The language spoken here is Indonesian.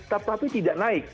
tetapi tidak naik